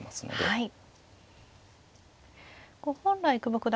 はい。